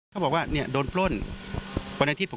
เขาบอกว่าโดนโพล่น